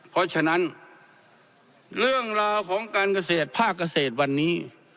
เพราะฉะนั้นเรื่องราวของการเกษตรภาคเกษตรวันนี้